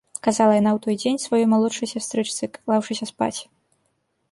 — казала яна ў той дзень сваёй малодшай сястрычцы, клаўшыся спаць.